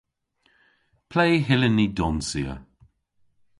Ple hyllyn ni donsya?